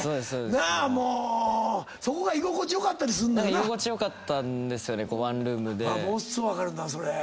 居心地良かったんですワンルームで。ものっすごい分かるなそれ。